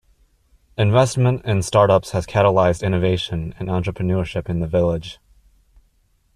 Investment in startups has catalyzed innovation and entrepreneurship in the village.